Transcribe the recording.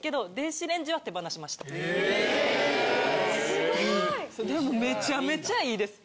・すごい！・でもめちゃめちゃいいです。